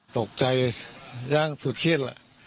ตกใจยังสุดคิด